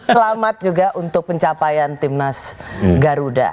selamat juga untuk pencapaian timnas garuda